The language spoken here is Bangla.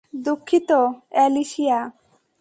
দুঃখিত, অ্যালিসিয়া।